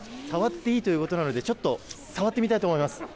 触っていいっていうことなんで、ちょっと触ってみたいと思います。